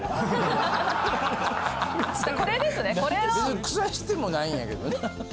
別に腐してもないんやけどね。